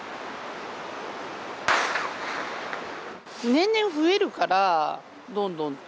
年々増えるから、どんどんと。